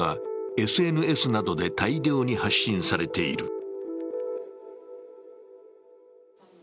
こうした画像がＳＮＳなどで大量に発信されている。